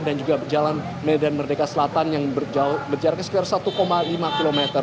dan juga jalan medan merdeka selatan yang berjaraknya sekitar satu lima km